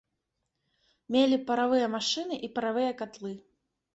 Мелі паравыя машыны і паравыя катлы.